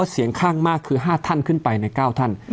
เสียงข้างมากคือ๕ท่านขึ้นไปใน๙ท่าน